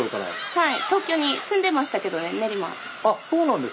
はい。